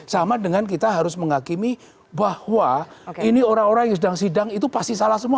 sama dengan kita harus menghakimi bahwa ini orang orang yang sedang sidang itu pasti salah semua